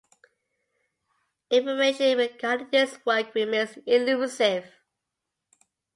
Information regarding this work remains elusive.